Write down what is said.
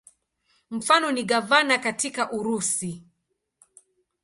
Mfano ni gavana katika Urusi.